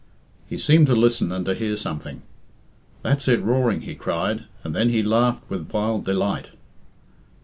He seemed to listen and to hear something. "That's it roaring," he cried, and then he laughed with wild delight.